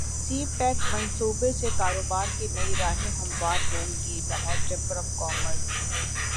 سی pack منصوبے سے کاروبار کی نئی راہیں ہموار ہوں گی لاہور چیمبر اف کامرس